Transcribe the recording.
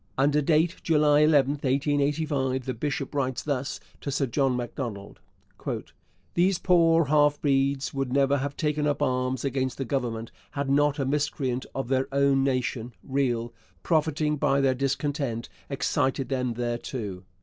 Under date July 11, 1885, the bishop writes thus to Sir John Macdonald: These poor halfbreeds would never have taken up arms against the Government had not a miscreant of their own nation [Riel], profiting by their discontent, excited them thereto.